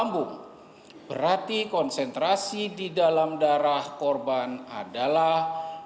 berarti konsentrasi di dalam darah korban adalah